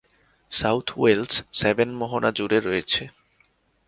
South Wales Severn মোহনা জুড়ে রয়েছে।